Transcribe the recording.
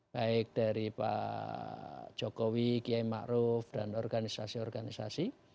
baik dari pak jokowi kiai ma'ruf dan organisasi organisasi